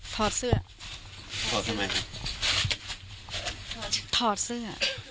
ถอดเสื้อถอดทำไมฮะถอดถอดเสื้อ